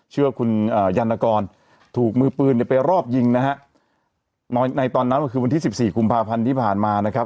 เชื่อคุณยันละกรถูกมือปืนไปรอบยิงนะฮะในตอนนั้นคือวันที่๑๔คุมภาพันธ์ที่ผ่านมานะครับ